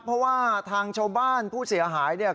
เพราะว่าทางชาวบ้านผู้เสียหายเนี่ย